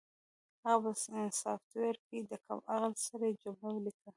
هغه په سافټویر کې د کم عقل سړي جمله ولیکله